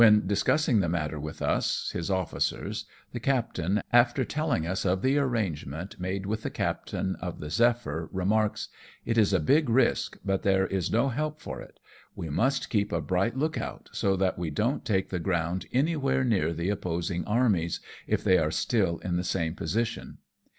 235 discussing the matter with us, his officers, the captain, after telling us of the arrangement with the captain of the Zephyr, remarks, " It is a big risk, but there is no help for it. We must keep a bright look out, so that we don't take the ground anywhere near the opposing armies, if they are still in the same position.